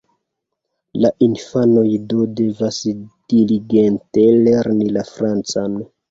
La infanoj do devas diligente lerni la francan.